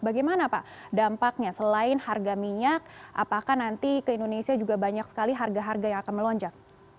bagaimana pak dampaknya selain harga minyak apakah nanti ke indonesia juga banyak sekali harga harga yang akan melonjak